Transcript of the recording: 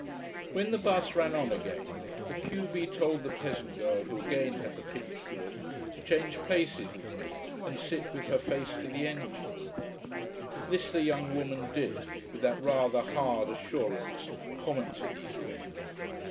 When the bus ran on again the q b told the peasant girl who again had the pinched look, to change places with me and sit with her face to the engine. This the young woman did, with that rather hard assurance common to these women.